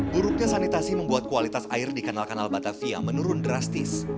buruknya sanitasi membuat kualitas air di kanal kanal batavia menurun drastis